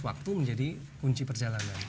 waktu menjadi kunci perjalanan